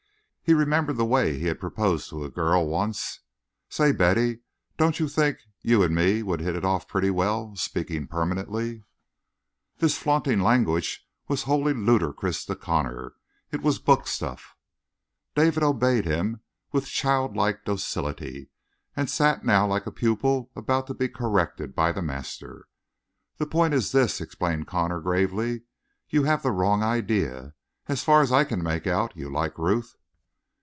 He remembered the way he had proposed to a girl, once: "Say, Betty, don't you think you and me would hit it off pretty well, speaking permanently?" This flaunting language was wholly ludicrous to Connor. It was book stuff. David had obeyed him with childlike docility, and sat now like a pupil about to be corrected by the master. "That point is this," explained Connor gravely. "You have the wrong idea. As far as I can make out, you like Ruth?"